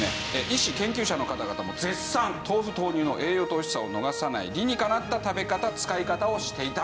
医師・研究者の方々も絶賛豆腐豆乳の栄養と美味しさを逃さない理にかなった食べ方使い方をしていたんですと。